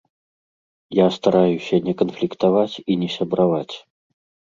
Я стараюся не канфліктаваць і не сябраваць.